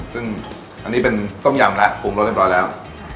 ซึ่งอันนี้เป็นต้มยำละปรุงรสได้พอแล้ว